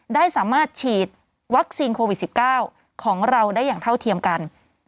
ได้สามารถฉีดวัคซีนโควิด๑๙ของเราได้อย่างเท่าเทียมกัน